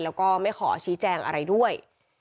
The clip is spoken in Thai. แล้วก็ไม่ขอชี้แจงอะไรด้วย